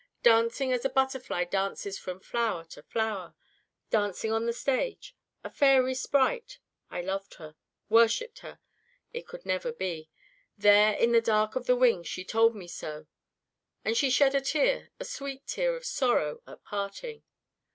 Dancing as a butterfly dances from flower to flower. Dancing on the stage a fairy sprite. I loved her worshiped her. It could never be. There in the dark of the wings, she told me so. And she shed a tear a sweet tear of sorrow at parting.